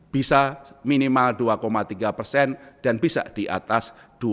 bisa minimal dua tiga persen dan bisa di atas dua